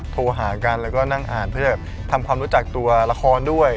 โทรหากันแล้วก็นั่งอ่านเพื่อจะทำความรู้จักตัวละครด้วย